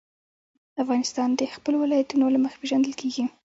افغانستان د خپلو ولایتونو له مخې پېژندل کېږي.